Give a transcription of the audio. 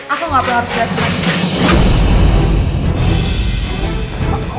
aku gak apa apa harus cakap sama kamu